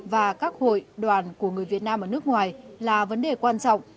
và các hội đoàn của người việt nam ở nước ngoài là vấn đề quan trọng